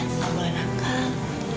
enggak boleh nakal